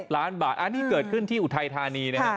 ล้านบาทอันนี้เกิดขึ้นที่อุทัยธานีนะฮะ